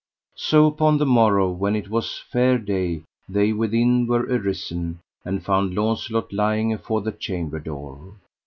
So upon the morrow when it was fair day they within were arisen, and found Launcelot lying afore the chamber door.